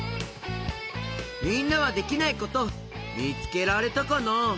みんなはできないことみつけられたかな？